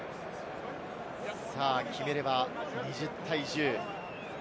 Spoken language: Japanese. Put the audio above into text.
決めれば２０対１０。